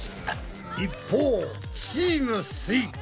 一方チームすイ。